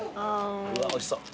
・うわおいしそう。